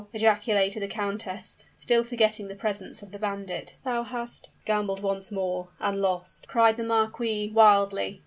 ejaculated the countess, still forgetting the presence of the bandit: "thou hast " "Gambled once more and lost!" cried the marquis wildly.